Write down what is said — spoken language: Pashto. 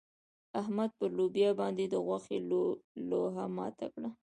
احمد پر لوبيا باندې د غوښې لوهه ماته کړه.